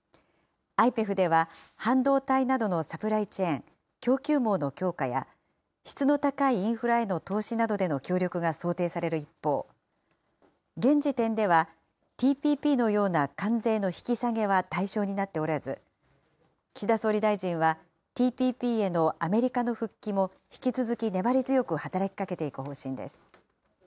ＩＰＥＦでは、半導体などのサプライチェーン・供給網の強化や、質の高いインフラへの投資などへの協力が想定される一方、現時点では、ＴＰＰのような関税の引き下げは対象になっておらず、岸田総理大臣は、ＴＰＰへのアメリカの復帰も、引き続き粘り強く働きかけていく方針です。